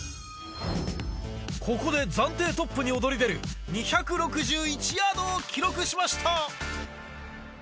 ここで暫定トップに躍り出る２６１ヤードを記録しました。